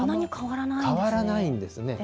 変わらないんですね。